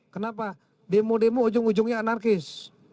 kenapa demo demo ujung ujungnya anarkis